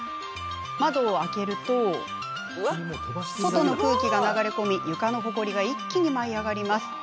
窓を開けると外の空気が流れ込み床のほこりが一気に舞い上がります。